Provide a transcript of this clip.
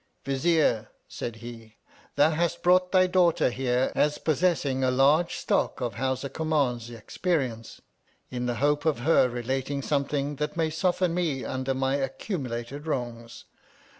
Vizier, said he, thou hast brought thy daughter here, as possessing a large stock of Howsa Kummauns experience, in the hope of her relating something that may soften me under my accumulated wrongs.